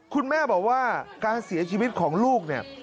คุณแม่บอกว่าการเสียชีวิตของลูกเนี่ย